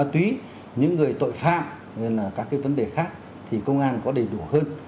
tí những người tội phạm các cái vấn đề khác thì công an có đầy đủ hơn